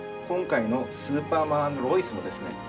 今回の「スーパーマン＆ロイス」もですね